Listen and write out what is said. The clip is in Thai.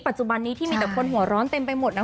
ปัจจุบันนี้ที่มีแต่คนหัวร้อนเต็มไปหมดนะ